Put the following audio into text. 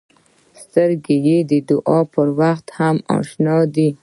سترګې د دعا پر وخت هم اشنا دي